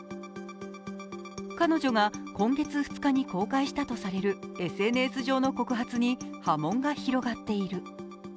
彼女が今月２日に公開したとされるＳＮＳ上の告発に波紋が広がっている。